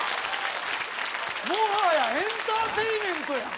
もはやエンターテインメントやん！